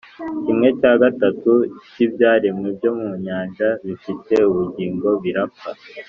kimwe cya gatatu cy’ibyaremwe byo mu nyanja bifite ubugingo birapfa,